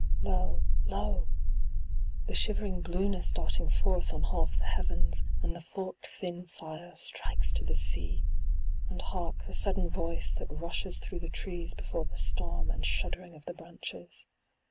Lo, lo! the shivering blueness darting forth on half the heavens, and the forked thin fire strikes to the sea: and hark, the sudden voice that rushes through the trees before the storm, and shuddering of the branches.